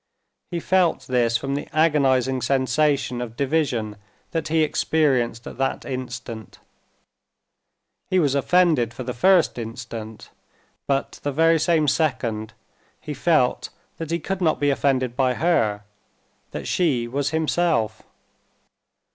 He felt this from the agonizing sensation of division that he experienced at that instant. He was offended for the first instant, but the very same second he felt that he could not be offended by her, that she was himself.